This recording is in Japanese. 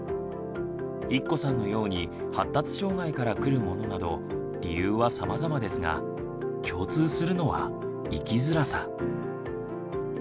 いっこさんのように発達障害からくるものなど理由はさまざまですが共通するのは「生きづらさ」。